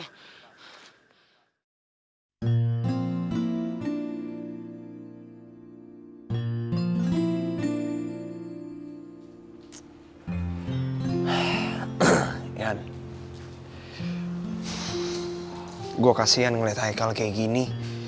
gue kasian ngeliat haikal kayak gini